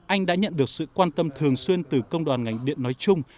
anh đã nhận được sự quan tâm thường xuyên từ công đoàn ngành điện nói chung